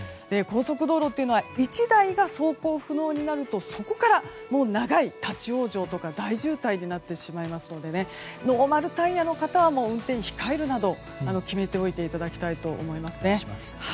高速道路というのは１台が走行不能になるとそこから長い立ち往生とか大渋滞になってしまいますのでノーマルタイヤの方は運転を控えるなど決めておいていただきたいと思います。